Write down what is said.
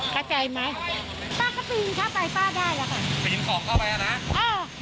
เข้าใจไหมป้าก็ปีนเข้าไปป้าได้อ่ะค่ะปีนของเข้าไปอ่ะนะเออ